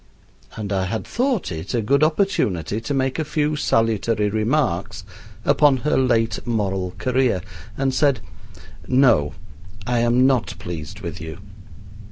and I had thought it a good opportunity to make a few salutary remarks upon her late moral career, and said: "No, I am not pleased with you."